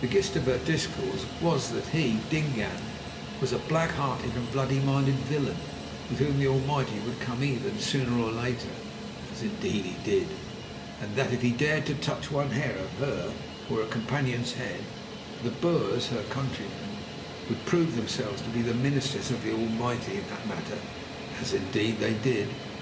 The gist of her discourse was that he, Dingaan, was a black hearted and bloody minded villain, with whom the Almighty would come even sooner or later (as, indeed, He did), and that if he dared to touch one hair of her or of her companions' heads, the Boers, her countrymen, would prove themselves to be the ministers of the Almighty in that matter (as, indeed, they did).